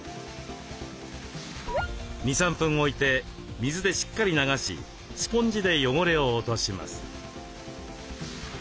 ２３分置いて水でしっかり流しスポンジで汚れを落とします。